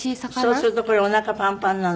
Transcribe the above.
そうするとこれおなかパンパンなの？